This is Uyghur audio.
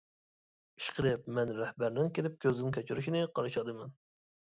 ئىشقىلىپ، مەن رەھبەرنىڭ كېلىپ كۆزدىن كەچۈرۈشىنى قارشى ئالىمەن.